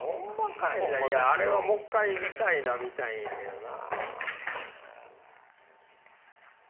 あれはもっかい見たいんは見たいんやけどな。